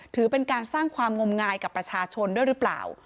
ถือเป็นการสร้างความงมงายกับประชาชนด้วยหรือเปล่า